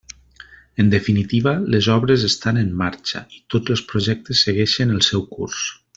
En definitiva, les obres estan en marxa i tots els projectes segueixen el seu curs.